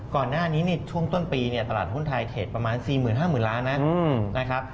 ก่อนหน้านี้ช่วงต้นปีเนี่ยตลาดหุ้นไทยเทรดประมาณ๔๕๐๐๐ล้านนะครับ